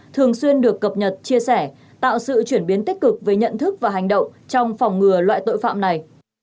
thường xuyên được cập nhật chia sẻ tạo sự chuyển biến tích cực về nhận thức và hành động trong phòng ngừa loại tội phạm này